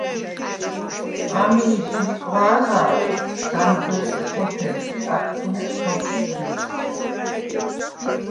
ამი̄ ჟი ლიკვა̄ნა̄ლვ ა̈მზჷრიხ სოფელს ი აჭთუნეხ სოფლი ქვითს.